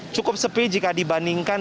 cukup sepi jika dibandingkan